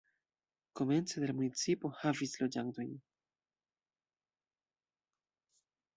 Komence de la municipo havis loĝantojn.